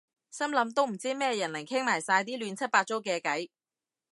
心諗都唔知咩人嚟傾埋晒啲亂七八糟嘅偈